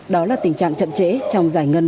đó là tình trạng chậm trễ trong giải ngân